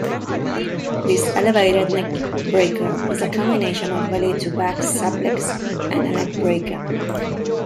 This elevated neckbreaker is a combination of belly-to-back suplex and a neckbreaker.